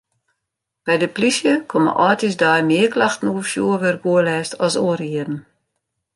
By de polysje komme âldjiersdei mear klachten oer fjoerwurkoerlêst as oare jierren.